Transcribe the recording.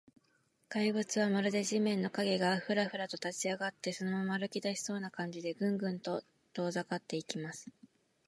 怪物は、まるで地面の影が、フラフラと立ちあがって、そのまま歩きだしたような感じで、グングンと遠ざかっていきます。